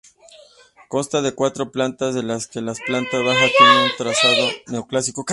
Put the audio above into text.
Consta de cuatro plantas, de las que la planta baja tiene un trazado neoclásico.